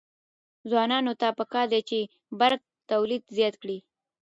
ځوانانو ته پکار ده چې، برق تولید زیات کړي.